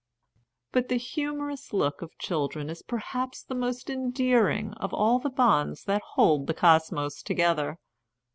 But the humorous look of children is perhaps the most endearing of all the bonds that hold the Cosmos together.